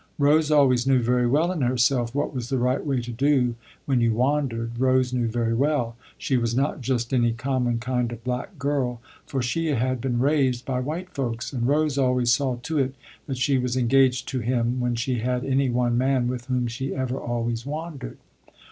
Rose always knew very well in herself what was the right way to do when you wandered. Rose knew very well, she was not just any common kind of black girl, for she had been raised by white folks, and Rose always saw to it that she was engaged to him when she had any one man with whom she ever always wandered.